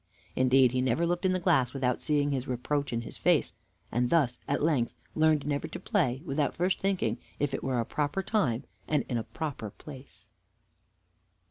Indeed, he never looked in the glass without seeing his reproach in his face, and thus at length learned never to play without first thinking if it were at a proper time and in a proper place.